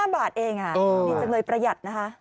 ๕บาทเองดีจังเลยประหยัดนะคะ